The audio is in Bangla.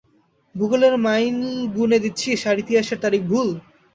ভূগোলের মাইল গুনে দিচ্ছিস, আর ইতিহাসের তারিখ ভুল?